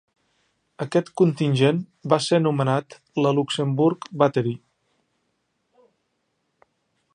Aquest contingent va ser nomenat la Luxembourg Battery.